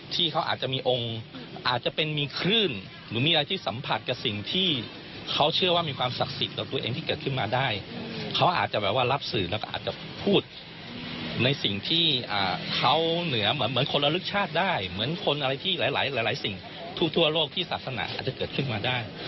ที่เขาเหนือเหมือนคนละลึกชาติได้เหมือนคนอะไรที่หลายสิ่งทั่วโลกที่ศาสนาอาจจะเกิดขึ้นมาได้